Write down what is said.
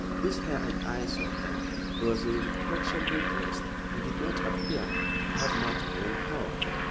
His hair and eyes were brown. He was irreproachably dressed, and did not appear to have much brain power.